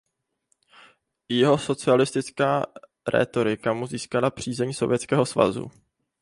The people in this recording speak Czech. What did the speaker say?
Jeho socialistická rétorika mu získala přízeň Sovětského svazu.